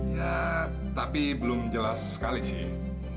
ya tapi belum jelas sekali sih